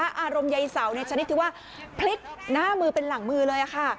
อารมณ์ใยเสาในชนิดที่ว่าพลิกหน้ามือเป็นหลังมือเลยค่ะ